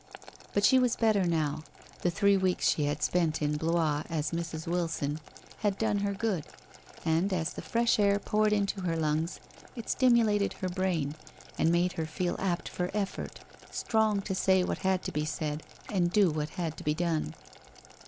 But she was better now — the three weeks she had spent in Blois as Mrs. Wilson had done her good, and as the fresh air poured into her lungs, it stimu lated her brain, and made her feel apt for effort, strong to say what had to be said, and do what had to be done.